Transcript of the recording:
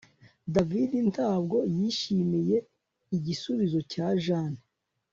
David ntabwo yishimiye igisubizo cya Jane